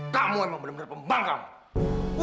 kamu emang bener bener pembang kamu